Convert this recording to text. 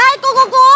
ê cô cô cô